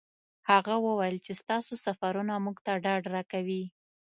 هغه وویل چې ستاسو سفرونه موږ ته ډاډ راکوي.